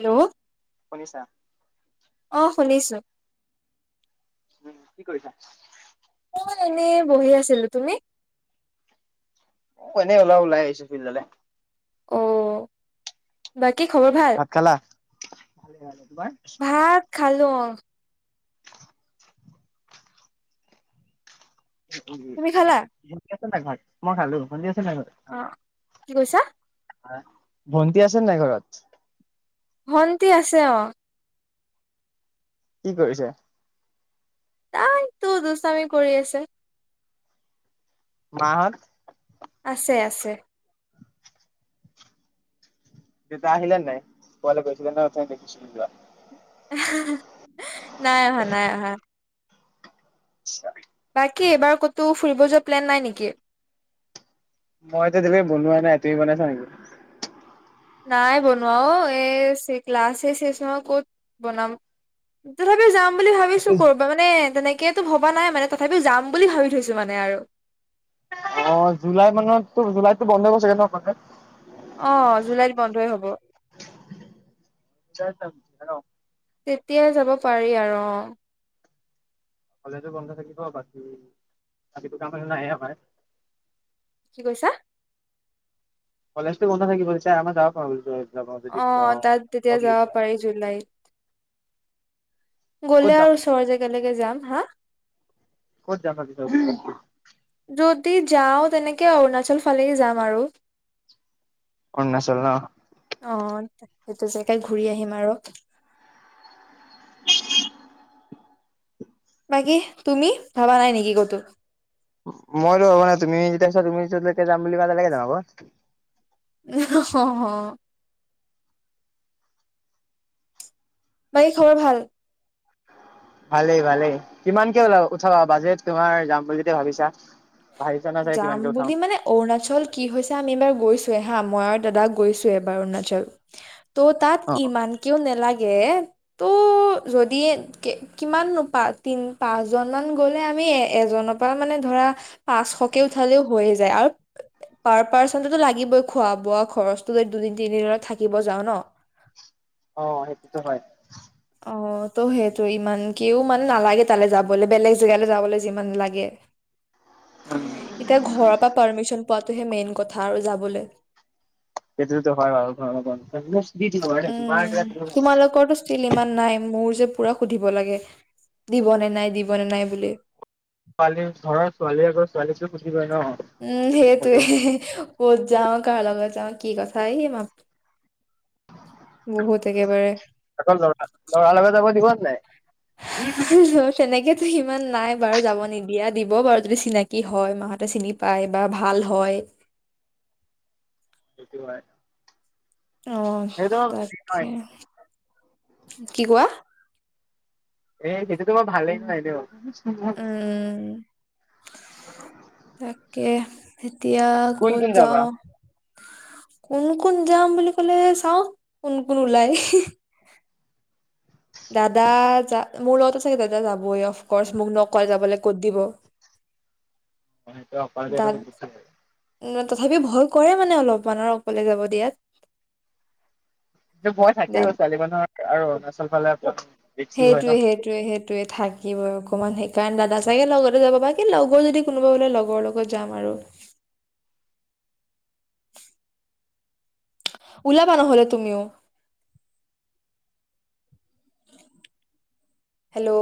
Hello! Monisha. অ শুনিছোঁ। উম, কি কৰিছা? মই এনেই বহি আছিলো তুমি? এনে অলপ ওলাই আহিছো ফিলদলে । ও বাকি কি খবৰ ভাল। ভাত খালা ভালে ভালে তোমাৰ ভাত খালো অ'। [inaudible] তুমি খালা [unintelligible] মই খালো শুনি আছো অ কি কৈছা? ভণ্টি আছে নাই ঘৰত? ভন্তি আছে অ। কি কৰিছে? তাইতো দুচতামি কৰি আছে। মাহঁত? আছে আছে। দেতা আহিলে নাই? তোমালোক গৈছিলা নহয়, অথনি দেখিছিলো যোৱা। [unintelligible] নাই অহা নাই অহা। আচ্ছা। বাকী এইবাৰ ক'তো ফুৰিব যোৱা প্লেন নাই নেকি? মইতো দিলে বনোৱাই নাই তুমি বনাইছা নেকি? নাই বনোৱাও এ ক্লাছএ চেছ নহই ক'ত বনাম তথাপিও যাম। বুলি ভাবিছো কৰ'বা মানে তেনেকে এতিয়াতো ভবা নাই মানে তথাপিও যাম বুলি ভাবি থৈছো মানে আৰু। অ জুলাই মানততো জুলাইতো বন্ধ হব ছাগে নহ কলেজ? অহ জুলাইত বন্ধই হ'ব। হেল্ল'। তেতিয়াই যাব পাৰি আৰু। কলেজো বন্ধ থাকিব বাকী বাকী দুটামান নাই অহা। কি কৈছা। কলেজটো বন্ধ থাকিব চাইমাৰ যাবা প। অ তাত তেতিয়া যাব পাৰি জুলাইত। ক'ত গ'লে যাম আৰু ওচৰৰ জেগাগে যাম। হা। ক'ত জাব বিচাৰি ছে। যদি যাওঁ তেনেকে অৰুণাচল ফালে যাম আৰু্ অৰুণাচল ন। অ' সেইটো জেগাই ঘূৰি আহিম আৰু। উ [unintelligible] বাকী তুমি ভাবা নাই নেকি ক'তো। মইো হ'ব নাই তুমি যেতিয়াছা তুমি তেতিয়া যাম বুলি ক লাগে মত। হু হু হু। বাৰী খবৰ ভাল। ভালেই ভালেই কিমানকে ওলাব উঠাবা বাজেট তোমাৰ যাম বুলি ভাবিছা। ভাবিছা ন চাগে যাম কিমানকে উঠাও? বুলি মানে অৰুণাচল কি হৈছে আমি এইবাৰ গৈছোয়ে। হা মই আৰু দাদা গৈছো এবাৰ অৰুণাচল। ত' তাত অ ইমান কেও নালাগে। ত' যদি কিমানোপা তিন পাঁচজন মান গ'লে আমি এ এজনৰ পৰা মানে ধৰা। পাঁচশকে উঠালেও হৈয়ে যায় আৰু পাৰ পাৰ্চনটোতো লাগিবই খোৱা বোৱা খৰচটো দুদিন তিনিদিনত থাকিব যাওঁ ন। অ সেইটোতো হয়। অ ত' সেইটো ইমান কও মানে নালাগে তালৈ যাবলৈ বেলেগ জেগালৈ যাবলৈ যিমান লাগে এতিয়া ঘৰৰ পৰা পাৰ্মিশন পোৱাত। মেইন কথা আৰু যাবলে। তেইটো হয় ঘৰ। উম তোমালোকৰতো ষ্টিল ইমান নাই মোৰ। মোৰ যে পুৰা সুধিব লাগে দিব নে নাই দিব নে নাই বুলি। ছোৱালী ঘৰৰ ছোৱালী আকৌ ছোৱালীকো বুজি পায় ন। উম সেই তে হলেও পত যওঁ কাল লগত। কি কথা এই ম। তাৰলেকে দিব। নাই। চেনেকে তুহিম [unintelligible] ইমান নাই বাৰু যাব নিদিয়া দিব বাৰু যদি চিনাকি হয় মাহতে চিনি পায় বা ভাল হয় [unintelligible] সেইটো হয় আহ সেইটো ভালেই ন তাকে কি কোৱা এ সেইটো তোমাৰ ভালেই নাই ন উম তাকে তেতিয়া কোন কত কোন যাবা? যাওঁ কোন কোন যাম বুলি ক'লে চাওক কোন কোন ওলাই দাদা যা মোৰ লগত চাগে দাদা যাবই অফকৰ্চ মোক ন কয় যাবলৈ ক'ত দিব মানটো অপাৰ দাদ বুজ প [unintelligible] তথাপি ভয় কৰে মানে অলপমানৰ অকলে যাব দিয়াত কিন্তু মই দাদ থাকেইও ছোৱালী মানুহৰ আৰু [unintelligible] চলফ ল [unintelligible] সেইটোয়ে সেইটোয়ে সেইটোয়ে থাকিবই অকমান কাৰণ দাদা চাগে লগতে যাব বা কি লগৰ যদি কোনোবা বোলে লগৰ লগত যাম আৰু [unintelligible] ওলাবা নহলে তুমিও হেল্ল'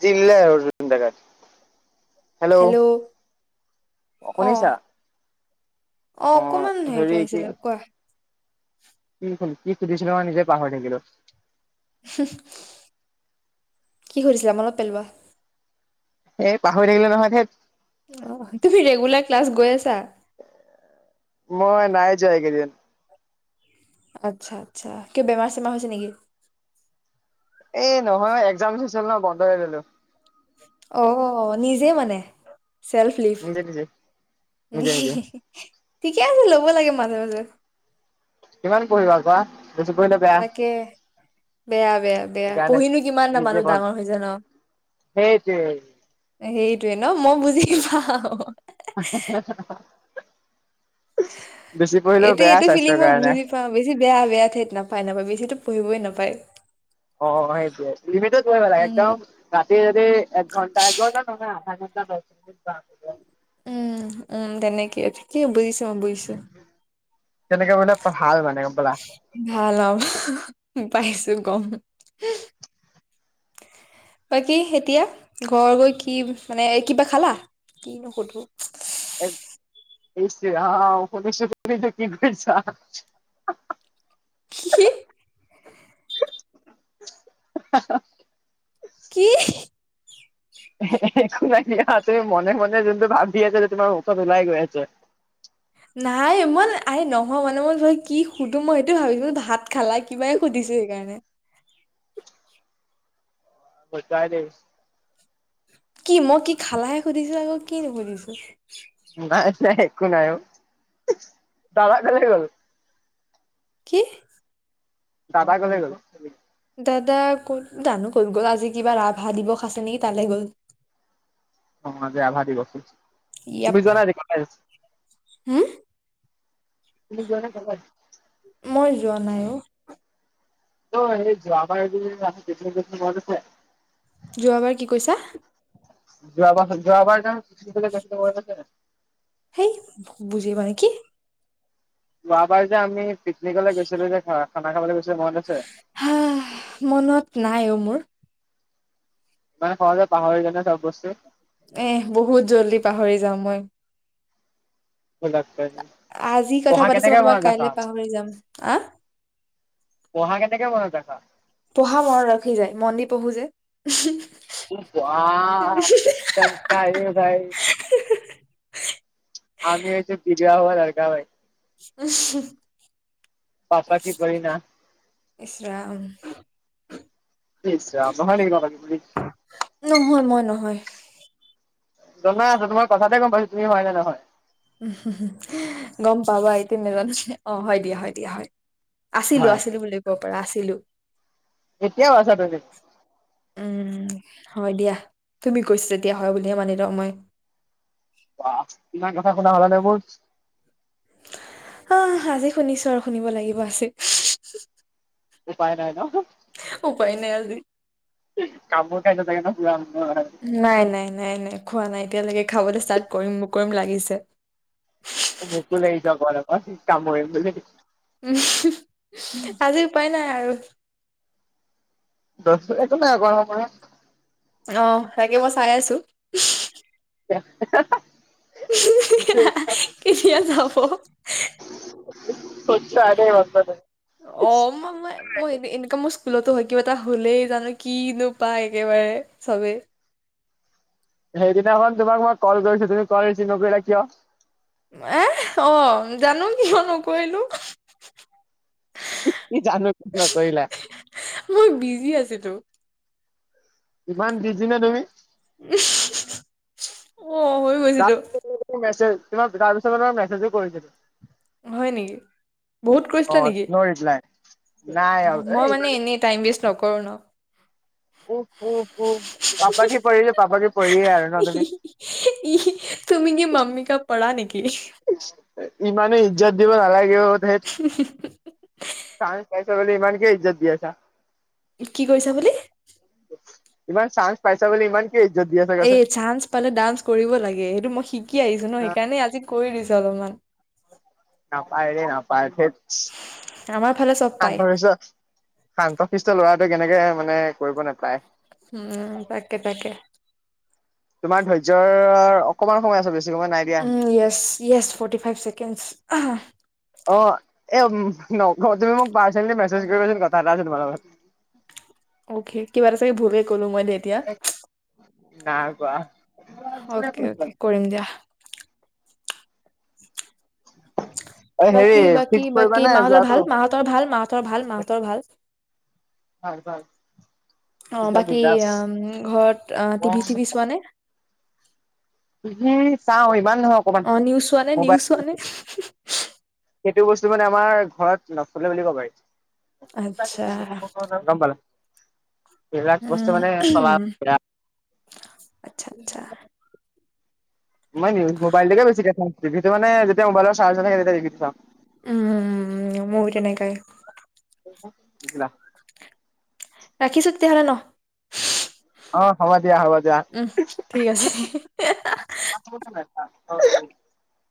জিলাই কাত [unintelligible] হেল্ল' অ অ অকমান হেৰিত হেৰি কি আহিছিলে কোৱা কি খু কি খুধিছিলো মই নিজেই পাহৰি থাকিলো [unintelligible] কি সুধিছিলা মনত পেলোৱা এ পাহৰি থাকিলো নহয় হ [unintelligible] অ তুমি ৰেগুলাৰ ক্লাছ গৈ আছা মই নাই যাইকেইদিন [unintelligible] আচ্ছা আচ্ছা কিয় বেমাৰ চেমাৰ হৈছে নেকি এই নহয় একজাম চ ন বন্ধ হৈ গলো [unintelligible] অ নিজে মানে েলফ ল নিজে নিজে নিজে নিজে। ঠিকে আছে ল'ব লাগে মাজে মাজে [unintelligible] উ [unintelligible] কিমান পঢ়িবা কোৱা [unintelligible] বেয়া তাকে বেয়া বেয়া বেয়া সেইকাৰণে। পঢ়িনো কিমান ন নিজে মানুহ পঢ় ডাঙৰ হৈ হৈছে ন সেইটোৱে সেইটোৱে ন মই বুজি পাওঁ আ পঢ়িলেও এইটো বেয়া এইটো ফিলিং স্বাস্থ্যৰ মই কাৰণে। বুজি পাওঁ বেছি বেয়া বেয়া ঠাইত নাপায় নাপায় বেছিো পঢ়িবই নাপায় [unintelligible] পাই অ সেইটয়ে লিমিট গৈ পেলাগ উম একদম ৰাতি যদি এক ঘণ্টা একব নহয় আধা ঘণ্টা [unintelligible] [inaudible] উম উ তে নে কি কি বজিছে চাম্বেশ্বৰ তেনেকে বোলে ভাল মানে গম পলা ভাল অ পাইছো গম বাকী এতিয়া ঘৰ গৈ কি মানে কিবা খালা কি নোসুধো কৰি কি গছ কি আহ কি একো নাই তুমি মনে মনে যোনটো ভাব দি আছ যে তোমাৰ মুখত ওলাই গৈ আছে নাই ইমান আ নহয় মানে মই ভ কি সুধো মই সেইটো ভাবিছো ভাত খালা কিবাই সুধিছো সেইকাৰণে বচাই দ কি মই কি খালাহে সুধিছো আকৌ কি নুসুধিছো নাই নাই ক ন দাদা কেলে গ'ল কি দাদা ক'লে গ'ল দাদা ক'ত জানো ক'ত গ'ল আজি কিবা ৰাভা দিৱস আছে নেকি তালৈ গ'ল অ মজ আভাৰ বসু য়াপ বুজোৱা নাই তি হম গ ন খবত মই যোৱা নাই অ েই যোৱাাবাৰ কে পছে যোৱাবাৰ কি কৈছা যোৱাবাৰ যোৱাবাৰখ সেই বুজি মানে কি যোৱাবাৰ যে আমি পিকনিকলৈ গৈছিলো দেখা খানা খাবলে গৈছিলো মনত আছে? হা মনত নাই অ মোৰ মানে খ যোয় পাহৰি যানে চব বস্তু এ বহুত জল্দি পাহৰি যাাম মই আজি কথা পঢ়া পাতিছো মই কেনেকে তোমাক মনত কাইলে ৰাখা পাহৰি যাম আ পঢ়া কেনেকে মনত ৰাখা? পঢ়া মনত ৰাখি যায় মন্দিৰ পঢ়ো যে আহ চকা ভাই [unintelligible] আমি যে বিগয়া হোৱা লাৰকা ভাই উ পাপা কি পৰি না ইছৰাম ইছ ৰাম নহয় মই নহয় [unintelligible] জনা আছো তোমাৰ কথাতে গম পাইছো তুমি হয় নে নহয়। [unintelligible] গম পাবা এতি নাজানো অ হয় দিয়া হয় দিয়া হয়। আছিলো হয় আছিলো বুলি ক'ব পাৰা আছিলো। এতিয়াও আছা [unintelligible] উম হয় দিয়া, তুমি কৈছা যেতিয়া হয় বুলিয়ে মানি লম মই। ৱাহ! ইমান কথা শুনা হলানে মোৰ? আহ আজি শুনিছো আৰু শুনিব লাগিব আজি। উপায় নাই ন' । [unintelligible] কামোৰ খাই গৈছাগে ন পুৰা মোকো নাই নাই নাই নাই, খোৱা নাই এতিয়ালৈকে খাবলৈ ষ্টাৰ্ট কৰিম মোক কৰিম লাগিছে। মোকো লাগিছে অকমান অকমান কামুৰিম বুলি। [unintelligible] আজি উপায় নাই আৰু। [unintelligible] একো নাই কৰা কৰা। অ' তাকে মই চাই আছো। [unintelligible] [unintelligible] কেতিয়া চাব? [inaudible] অ মই মই মই এনে- এনেকুৱা মোৰ [unintelligible] স্কুলতো হয়। কিবা এটা হ'লেই জানো কি নো পায় একেবাৰে চবে। সেইদিনাখন তোমাক মই কল কৰিছো তুমি কল ৰিচিভ নকৰিলা কিয়? [unintelligible] অ' জানো কিয় নকৰিলো! [unintelligible] নকৰিলা। মই বিজি আছিলো। ইমান বিজি নে তুমি? [unintelligible] গৈছিলো [unintelligible] মেছেজ তোমাৰ [unintelligible] পিছত মেছেজো কৰিছিলো। হয় নেকি? বহুত অ কৰিছিলা নেকি? ন' ৰিপ্লাই নাই আৰু অ' এ মই মানে ইমান এনে টাইম ৱেষ্ট নকৰো ন। উফ, উফ, উফ। পাপাকি পৰী যে পাপাকি পৰী। তুমি কি মাম্মি কা পৰা নে [unintelligible] ইমানো ইজ্জত দিব নালাগেও [unintelligible] লে ইমানকে ইজ্জত দিয় আছা। কি কৰিছা বুলি? ইমান চান্স পাইছা বুলি ইমান কিয় ইজ্জত দি আছা এ কোৱাচোন? চান্স পালে ডান্স কৰিব লাগে সেইটো মই শিকি আহিছো ন' সেইকাৰণে আজি কৰি দিছে অলপমান। নাপায় ৰে নাপায়, ঠেট। আমাৰ ফালে চব পায়। শান্ত সিষ্ট, শান্ত সিষ্ট ল'ৰা টো কেনেকে মানে কৰিব নোপায়। উম, তাকে-তাকে। তোমাৰ ধৈৰ্য্যৰ অকমান সময় আছে বেছ উম, yes yes forty five seconds অহ। অ' এ' নকওঁ, তুমি মোক পাৰ্চনেলী মেছেজ কৰিবাচোন, কথা এটা আছে তোমাৰ লগত। অ'কে কিবা এটা চাগে ভুল এ ক'লো। মই দে এতিয়া গাগুৱা অ'কে অ'কে কৰিম দিয়া। অ' [inaudible] হেৰি বাকী, বাকী, ফিক্স কৰিবা বাকী নে মাহঁতৰ যোৱাটো? ভাল, মাহঁতৰ ভাল, মাহঁতৰ ভাল, মাহঁতৰ ভাল। ভাল ভাল অ', একদম বাকী বিন্দাছ। আম ঘৰত আ, টিভি-টিভি টিভি চোৱা নে? [unintelligible] অ' নিউজ চোৱানে? নিউজ মোবাইল চোৱানে? সেইটো বস্তু মানে আমাৰ ঘৰত নফুলে বুলি ক'ব পাৰি। আচ্ছা গমল বস্ত মানে চলা উম। আচ্ছা আচ্ছা ম‌ই মিউ মোবাইলটোকে বেছি দেখু, টিভিটো মানে যেতিয়া মোবাইলৰ চাৰ্জ নাথাকে, তেতিয়া টিভিত চা‌ওঁ। উম ময়ো তেনেকুৱাই। [unintelligible] ৰাখিছো তেতিয়াহলে ন? অ' হব। দিয়া হ'ব দিয়া। উম ঠিক আছে। অ'।